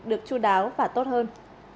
được chu đáo và tốt hơn